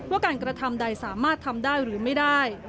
ว่าการกระทำใดสามารถทำได้หรือไม่ได้